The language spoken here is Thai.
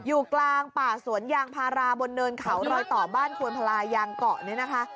อยู่กลางป่าสวนยางพาราบนเนินเขารอยต่อบ้านควนพลายางเกาะเนี่ยนะคะ